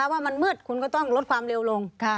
ว่ามันมืดคุณก็ต้องลดความเร็วลง